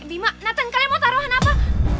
bima nathan kalian mau taruh hana apa